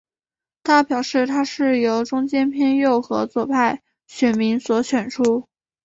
他表示他是由中间偏右和左派选民所选出。